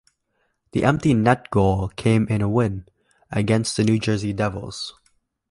The empty net goal came in a win against the New Jersey Devils.